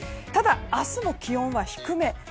ただ、明日も気温は低め。